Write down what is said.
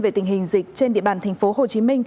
về tình hình dịch trên địa bàn tp hcm